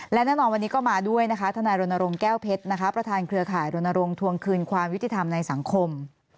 และน่านอนวันนี้ก็มาด้วยนะคะธนายโรนโนรงแก้วเพชรประชารเครือข่ายโรนโนรงทวงคืนความวิวติธรรมในสังคม